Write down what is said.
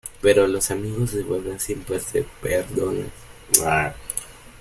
pero los amigos de verdad siempre se perdonan